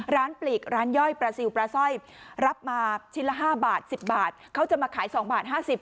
ปลีกร้านย่อยปลาซิลปลาสร้อยรับมาชิ้นละ๕บาท๑๐บาทเขาจะมาขาย๒บาท๕๐บาท